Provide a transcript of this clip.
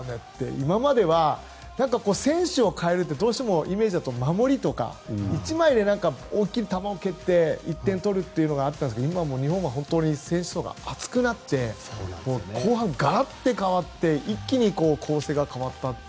今までだと選手を代えるというとどうしてもイメージだと守りとか１枚で大きく球を蹴って１点取るという感じだったのが日本の選手層が厚くなって後半、ガラッと変わって一気に変わったと。